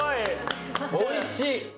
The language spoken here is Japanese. おいしい！